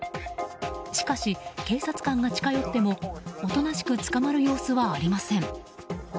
しかし、警察官が近寄ってもおとなしく捕まる様子はありません。